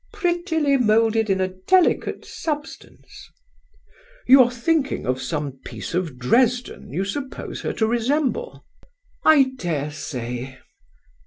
"Prettily moulded in a delicate substance." "You are thinking of some piece of Dresden you suppose her to resemble." "I dare say."